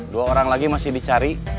dua orang lagi masih dicari